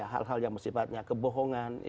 hal hal yang bersifatnya kebohongan